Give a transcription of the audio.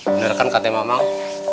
bener kan kata emang